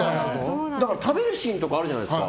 だから、食べるシーンあるじゃないですか。